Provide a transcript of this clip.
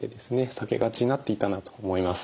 避けがちになっていたなと思います。